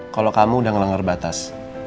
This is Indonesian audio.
kalau kamu udah ngelanggar batas